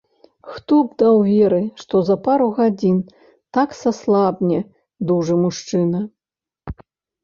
Хто б даў веры, што за пару гадзін так саслабне дужы мужчына?